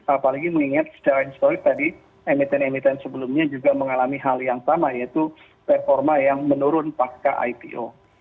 apalagi mengingat secara historik tadi emiten emiten sebelumnya juga mengalami hal yang sama yaitu performa yang menurun pasca ipo